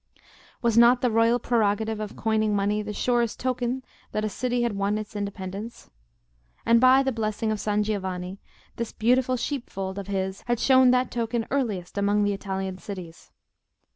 Was not the royal prerogative of coining money the surest token that a city had won its independence? and by the blessing of San Giovanni this "beautiful sheepfold" of his had shown that token earliest among the Italian cities.